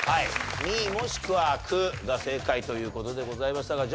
「み」もしくは「く」が正解という事でございましたが。